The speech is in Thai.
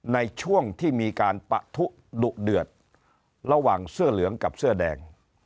ในช่วงที่มีการปะทุดุเดือดระหว่างเสื้อเหลืองกับเสื้อแดง